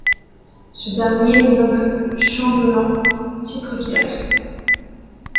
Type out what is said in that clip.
Ce dernier le nomme chambellan, titre qu'il accepte.